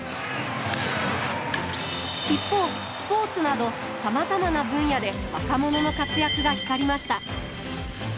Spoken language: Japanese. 一方スポーツなどさまざまな分野で若者の活躍が光りました。